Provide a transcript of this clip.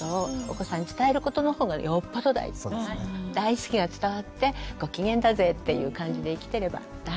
それと大好きが伝わってご機嫌だぜっていう感じで生きてれば大丈夫。